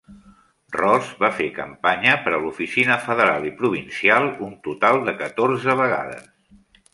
Ross va fer campanya per a l'oficina federal i provincial un total de catorze vegades.